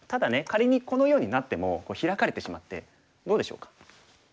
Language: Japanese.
仮にこのようになってもヒラかれてしまってどうでしょうか？